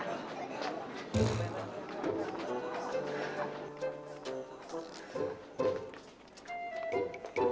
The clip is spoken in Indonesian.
terima kasih ya pak